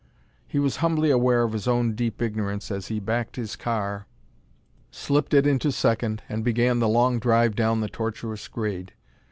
He was humbly aware of his own deep ignorance as he backed his car, slipped it into second, and began the long drive down the tortuous grade.